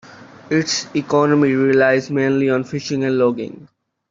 Its economy relies mainly on fishing and logging.